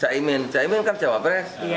cak imin cak imin kan cowok pres